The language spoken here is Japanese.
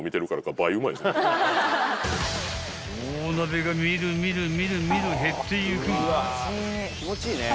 ［大鍋が見る見る見る見る減ってゆく］